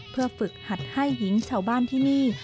เพื่อฝึกหัดให้หญิงชาวบ้านที่นี่